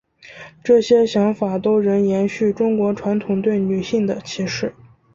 这些想法都仍延续中国传统对女性的歧视。